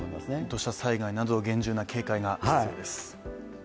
土砂災害など、厳重な警戒が必要です。